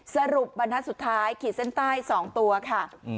สรุปบรรทัศน์สุดท้ายขีดเส้นใต้๒ตัวค่ะ